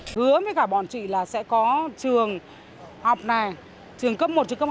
hứa với cả bọn chị là sẽ có trường học này trường cấp một trường cấp hai